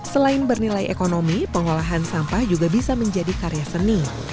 selain bernilai ekonomi pengolahan sampah juga bisa menjadi karya seni